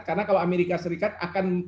karena kalau amerika serikat akan